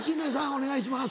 お願いします。